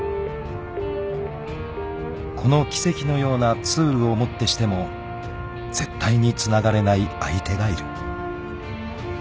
［この奇跡のようなツールをもってしても絶対につながれない相手がいる］